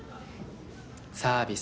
サービス。